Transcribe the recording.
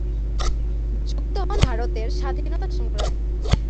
যুক্ত হন ভারতের স্বাধীনতা সংগ্রামে।